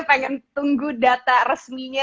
pengen tunggu data resminya